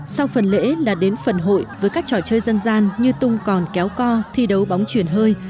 sau phần lễ là đến phần hội với các trò chơi dân gian như tung còn kéo co thi đấu bóng chuyển hơi